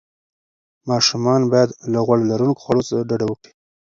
ماشومان باید له غوړ لروونکو خوړو ډډه وکړي.